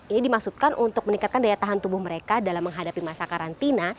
ini dimaksudkan untuk meningkatkan daya tahan tubuh mereka dalam menghadapi masa karantina